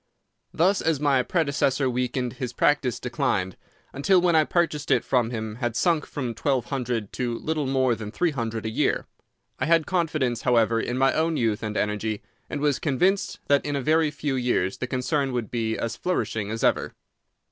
Thus as my predecessor weakened his practice declined, until when I purchased it from him it had sunk from twelve hundred to little more than three hundred a year. I had confidence, however, in my own youth and energy, and was convinced that in a very few years the concern would be as flourishing as ever.